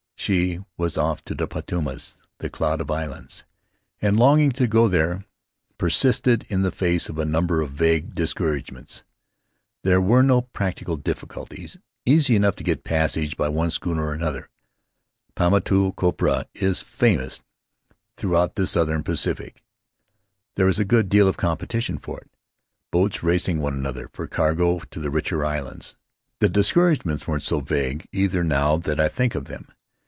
She was off to the Paumotus, the Cloud of Islands, and a longing to go there persisted in the face of a number of vague discouragements. There were no practical difficulties. Easy enough to get passage by one schooner or another. Paumotu copra is famous throughout the Southern Pacific. There is a good deal of competition for it, boats racing one another for cargo to the richer islands. The discouragements weren't so vague, either, now that I think of them.